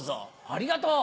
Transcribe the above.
ありがとう！